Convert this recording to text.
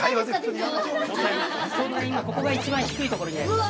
◆ちょうど今、ここが一番低いところになります。